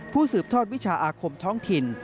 สืบทอดวิชาอาคมท้องถิ่น